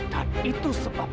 dan itu sebabnya